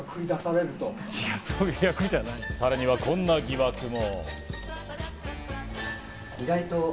さらにはこんな疑惑も。